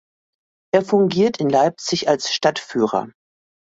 Er fungiert in Leipzig als Stadtführer.